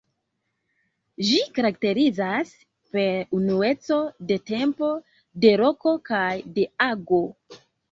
Ĝi karakterizas per unueco de tempo, de loko kaj de ago.